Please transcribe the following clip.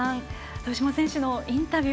豊島選手のインタビュー